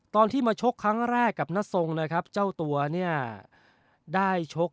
ตอนที่มาชกครั้งแรกกับนัสทรงนะครับเจ้าตัวเนี่ยได้ชก